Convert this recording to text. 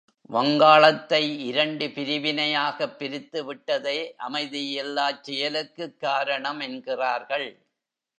வங்காளத்தை இரண்டு பிரிவினையாகப் பிரித்துவிட்டதே அமைதியில்லாச் செயலுக்குக் காரணம் என்கிறார்கள்.